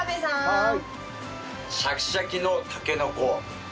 はい。